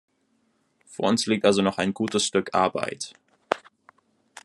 Vor uns liegt also noch ein gutes Stück Arbeit.